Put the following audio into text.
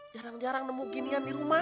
jarang jarang nemu ginian dirumah